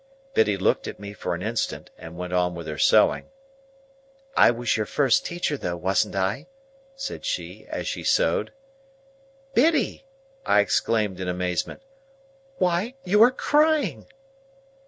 Biddy looked at me for an instant, and went on with her sewing. "I was your first teacher though; wasn't I?" said she, as she sewed. "Biddy!" I exclaimed, in amazement. "Why, you are crying!"